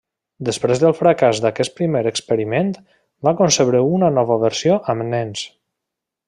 Després del fracàs d'aquest primer experiment, va concebre una nova versió amb nens.